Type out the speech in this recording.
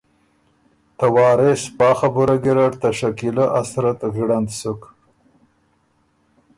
ته وارث پا خبُره ګیرډ ته شکیلۀ ا صورت غړند سُک